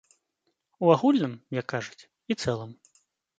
У агульным, як кажуць, і цэлым.